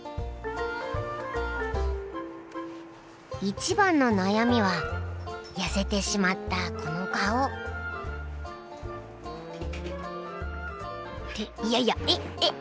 一番の悩みは痩せてしまったこの顔。っていやいやえっえっ？